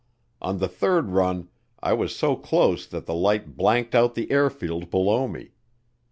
On the third run I was so close that the light blanked out the airfield below me.